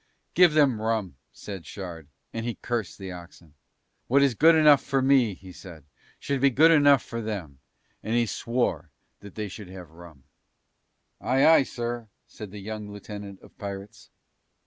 "Give them rum," said Shard, and he cursed the oxen. "What is good enough for me," he said, "should be good enough for them," and he swore that they should have rum. "Aye, aye, sir," said the young lieutenant of pirates.